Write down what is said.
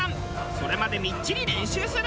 それまでみっちり練習する！